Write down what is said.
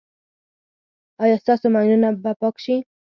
ایا ستاسو ماینونه به پاک شي؟